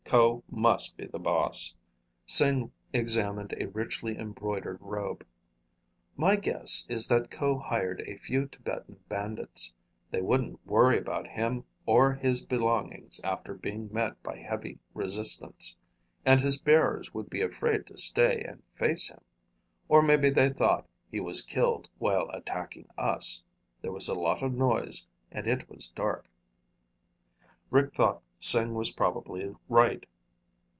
Ko must be the boss." Sing examined a richly embroidered robe. "My guess is that Ko hired a few Tibetan bandits. They wouldn't worry about him or his belongings after being met by heavy resistance. And his bearers would be afraid to stay and face him. Or maybe they thought he was killed while attacking us. There was a lot of noise, and it was dark." Rick thought Sing was probably right.